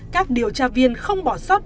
các điều tra viên không bỏ sót